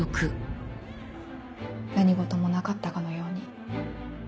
何事もなかったかのように。